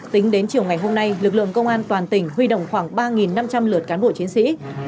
tính đến chiều ngày hôm nay lực lượng công an toàn tỉnh huy động khoảng ba năm trăm linh lượt cán bộ chiến sĩ